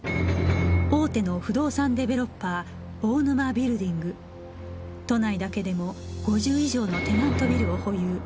大手の不動産ディベロッパー大沼ビルディング都内だけでも５０以上のテナントビルを保有